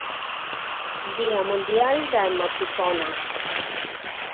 Día Mundial da emoticona.